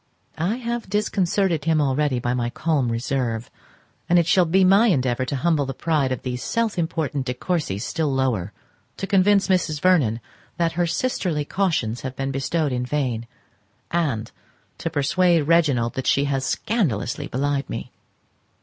I have disconcerted him already by my calm reserve, and it shall be my endeavour to humble the pride of these self important De Courcys still lower, to convince Mrs. Vernon that her sisterly cautions have been bestowed in vain, and to persuade Reginald that she has scandalously belied me.